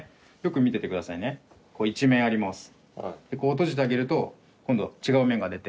閉じてあげると今度違う面が出て。